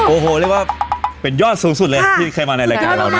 โอ้โหเรียกว่าเป็นยอดสูงสุดเลยที่เคยมาในรายการเรานะ